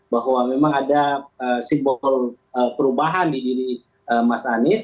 bahwa memang ada simbol perubahan di diri mas anies